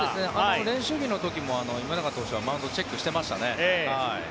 練習日の時も今永投手はマウンドをチェックしてましたね。